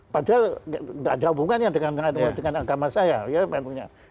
padahal tidak ada hubungannya dengan agama saya